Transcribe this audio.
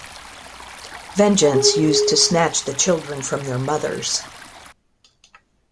Vengeance used to snatch the children from their mothers.